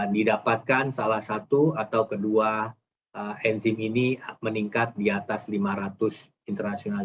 didapatkan salah satu atau kedua enzim ini meningkat di atas lima ratus internasional